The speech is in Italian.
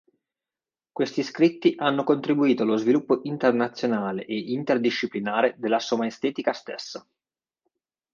Questi scritti hanno contribuito allo sviluppo internazionale e interdisciplinare della somaestetica stessa.